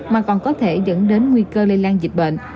mà còn có thể dẫn đến nguy cơ lây lan dịch bệnh